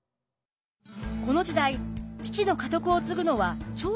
この時代父の家督を継ぐのは長男というのが常識。